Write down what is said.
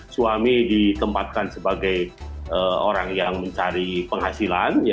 suami ditempatkan sebagai orang yang mencari penghasilan